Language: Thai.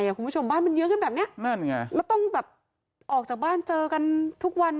คุณผู้ชมบ้านมันเยอะกันแบบเนี้ยนั่นไงแล้วต้องแบบออกจากบ้านเจอกันทุกวัน